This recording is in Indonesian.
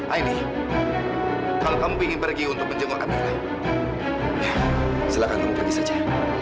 aini kalau kamu ingin pergi untuk menengok amirah ya silahkan kamu pergi saja